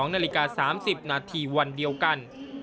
๒นาฬิกา๓๐นาทีวันเดียวกัน